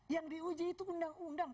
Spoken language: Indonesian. yang diuji itu undang undang